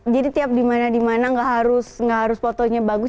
jadi tiap dimana dimana gak harus fotonya bagus